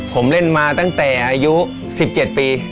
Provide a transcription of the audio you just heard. ผมเล่นมาตั้งแต่อายุ๑๗ปี